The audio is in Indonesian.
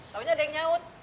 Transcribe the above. namanya ada yang nyaut